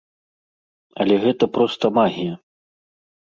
Але гэта проста магія.